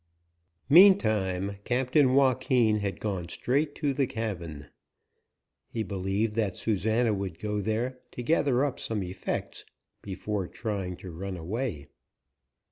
Meantime, Captain Joaquin had gone straight to the cabin. He believed that Susana would go there to gather up some effects before trying to run away.